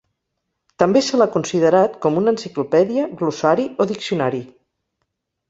També se l'ha considerat com una enciclopèdia, glossari o diccionari.